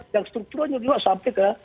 dan strukturnya juga sampai ke